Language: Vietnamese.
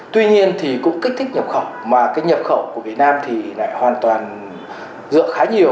tuy nhiên thì cũng kích thích nhập khẩu mà cái nhập khẩu của việt nam thì lại hoàn toàn dựa khá nhiều